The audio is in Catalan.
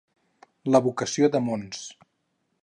La vocació de Mons.